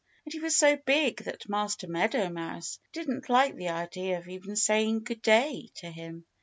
And he was so big that Master Meadow Mouse didn't like the idea of even saying "Good day!" to him.